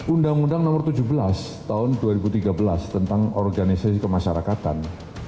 undang undang nomor tujuh belas tahun dua ribu tiga belas tentang organisasi kemasyarakatan